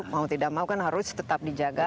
mau tidak mau kan harus tetap dijaga